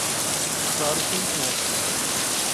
Claro que um dos nossos